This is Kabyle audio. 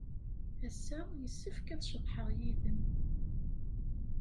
Ass-a, yessefk ad ceḍḥeɣ yid-m.